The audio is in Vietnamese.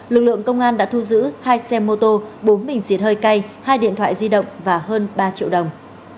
lực lượng công an đã thu giữ hai xe mô tô bốn bình xịt hơi cay hai điện thoại di động và hơn ba triệu đồng